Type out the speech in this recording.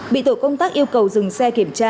bị tổ công tác yêu cầu dừng xe kiểm tra